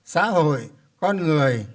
xã hội con người